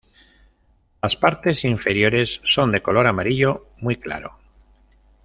Las partes inferiores son de color amarillo muy claro.